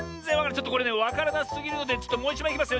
ちょっとこれねわからなすぎるのでちょっともういちまいいきますよ。